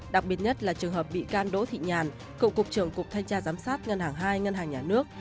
đặc biệt nhất là trường hợp bị can đỗ thị nhàn cựu cục trưởng cục thanh tra giám sát ngân hàng hai ngân hàng nhà nước